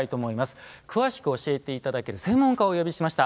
詳しく教えて頂ける専門家をお呼びしました。